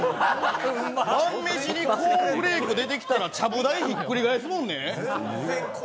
晩飯にコーンフレーク出てきたら、ちゃぶ台ひっくり返すもんね。